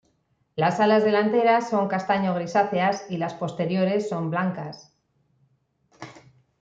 Las alas delanteras son castaño grisáceas y las posteriores son blancas.